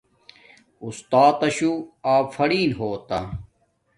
استاتا شو افرین ہوتا